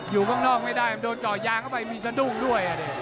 อยู่ข้างนอกไม่ได้มันโดนเจาะยางเข้าไปมีสะดุ้งด้วย